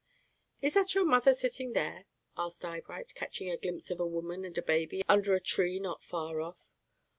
"Is that your mother sitting there?" asked Eyebright catching a glimpse of a woman and a baby under a tree not far off.